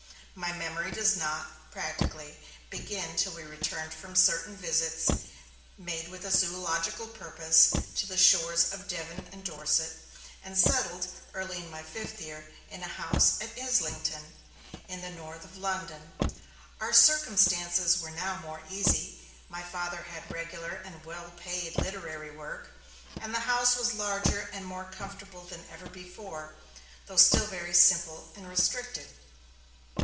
My memory does not, practically, begin till we returned from certain visits, made with a zoological purpose, to the shores of Devon and Dorset, and settled, early in my fifth year, in a house at Islington, in the north of London. Our circumstances were now more easy; my Father had regular and well paid literary work; and the house was larger and more comfortable than ever before, though still very simple and restricted.